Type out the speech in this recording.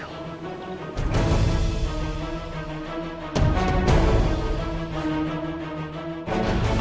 apa yang sebenarnya terjadi